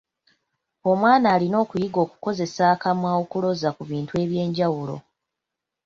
Omwana alina okuyiga okukozesa akamwa okuloza ku bintu eby'enjawulo.